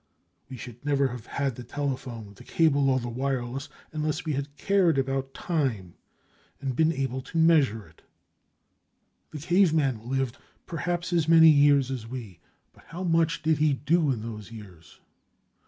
We should never have had the telephone, the cable, or the wireless, unless we had cared about time and been able to measure it. The caveman lived, perhaps, as many years as we—but how much did he do in those years?